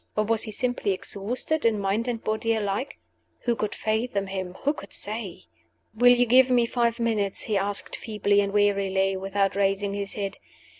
Or was he simply exhausted in mind and body alike? Who could fathom him? Who could say? "Will you give me five minutes?" he asked, feebly and wearily, without raising his head.